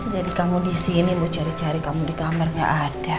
jadi kamu di sini bu cari cari kamu di kamar nggak ada